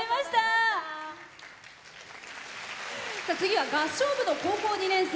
次は合唱部の高校２年生。